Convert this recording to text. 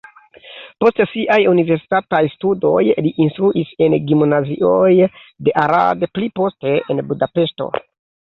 Post siaj universitataj studoj li instruis en gimnazioj de Arad, pli poste en Budapeŝto.